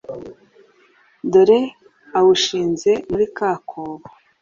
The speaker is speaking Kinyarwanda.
dore awushinze muri ka kobo,